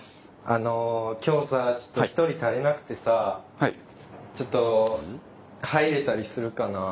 あの今日さちょっと１人足りなくてさちょっと入れたりするかな。